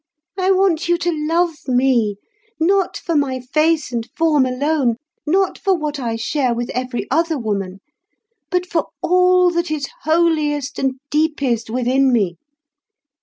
I want you to love me, not for my face and form alone, not for what I share with every other woman, but for all that is holiest and deepest within me.